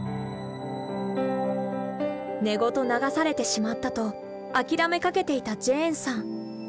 根ごと流されてしまったと諦めかけていたジェーンさん。